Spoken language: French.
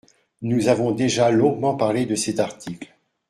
Nous avons déjà longuement parlé de cet article.